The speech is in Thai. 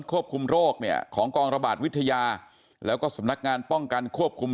ควบคุมโรคเนี่ยของกองระบาดวิทยาแล้วก็สำนักงานป้องกันควบคุม